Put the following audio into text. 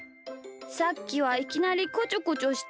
さっきはいきなりこちょこちょしてごめん。